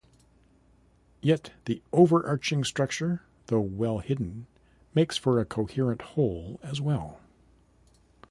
Yet the overarching structure, though well hidden, makes for a coherent whole as well.